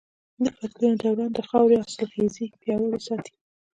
د فصلونو دوران د خاورې حاصلخېزي پياوړې ساتي.